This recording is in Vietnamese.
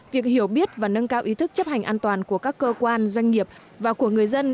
việc hiểu biết và nâng cao ý thức chấp hành an toàn của các cơ quan doanh nghiệp và của người dân